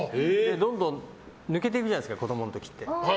どんどん抜けていくじゃないですか子供の時って。